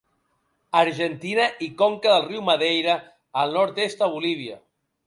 Argentina i conca del riu Madeira al nord-est de Bolívia.